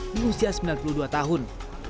di usia sembilan puluh dua tahun